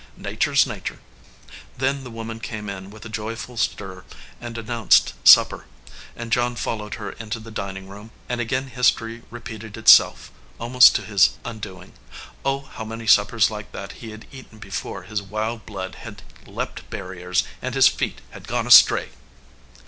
Natur is natur ." Then the woman came in with a joyful stir and announced supper, and John followed her into the dining room, and again history repeated itself, almost to his undoing. Oh, how many suppers like that he had eaten before his wild blood had leaped barriers and his feet had gone astray!